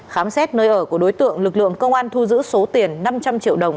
khám xét nơi ở của đối tượng lực lượng công an thu giữ số tiền năm trăm linh triệu đồng